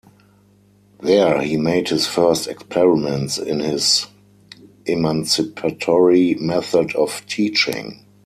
There he made his first experiments in his "emancipatory" method of teaching.